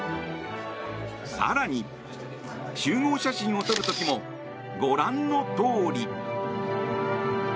更に、集合写真を撮る時もご覧のとおり。